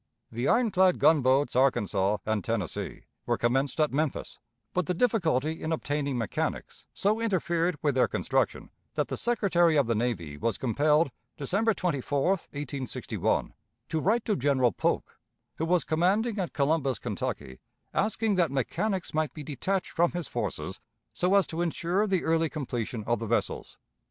The iron clad gunboats Arkansas and Tennessee were commenced at Memphis, but the difficulty in obtaining mechanics so interfered with their construction, that the Secretary of the Navy was compelled, December 24, 1861, to write to General Polk, who was commanding at Columbus, Kentucky, asking that mechanics might be detached from his forces, so as to insure the early completion of the vessels.